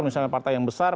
misalnya partai yang besar